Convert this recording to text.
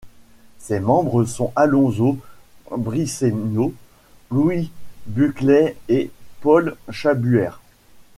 Ses membres sont Alonso Briceño, Luis Buckley et Paul Schabuer.